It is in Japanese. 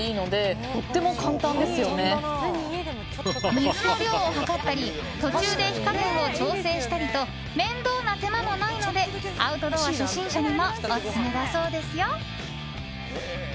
水の量を量ったり途中で火加減を調整したりと面倒な手間もないのでアウトドア初心者にもオススメだそうですよ。